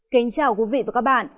kính chào quý vị và các bạn